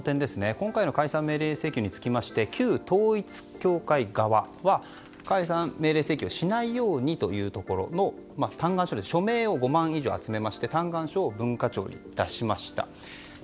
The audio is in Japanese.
今回、解散命令請求につきまして旧統一教会側は、解散命令請求はしないようにというところで署名を５万以上集めて嘆願書を文化庁に出しました。